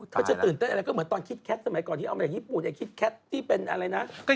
เขาจะตื่นเต้นอะไรก็เหมือนตอนคิดแคทสมัยก่อนที่เอามาจากญี่ปุ่นคิดแคทที่เป็นอะไรนะ